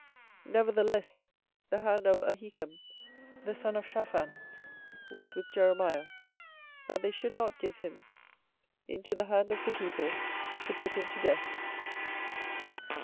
24:026:024 Nevertheless the hand of Ahikam the son of Shaphan was with Jeremiah, that they should not give him into the hand of the people to put him to death.